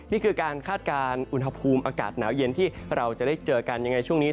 นี่คือการคาดการณ์อุณหภูมิอากาศหนาวเย็นที่เราจะได้เจอกันยังไงช่วงนี้